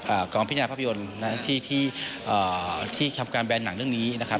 กองพินาภาพยนตร์นะที่ที่อ่าที่ที่ทำการแบนหนังเรื่องนี้นะครับ